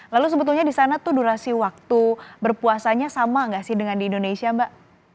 lalu sebetulnya di sana tuh durasi waktu berpuasanya sama nggak sih dengan di indonesia mbak